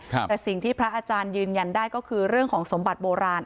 แต่สิ่งที่พระอาจารย์ยืนยันได้ก็คือเรื่องของสมบัติโบราณ